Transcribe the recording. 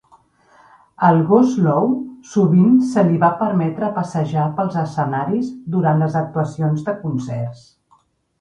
Al gos Lou sovint se li va permetre passejar pels escenaris durant les actuacions de concerts.